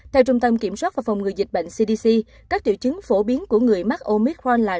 theo trung tâm kiểm soát và phòng ngừa dịch bệnh cdc các tiểu chứng phổ biến của người mắc omicron là